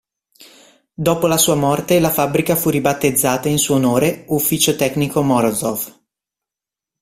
Dopo la sua morte la fabbrica fu ribattezzata in suo onore Ufficio tecnico Morozov.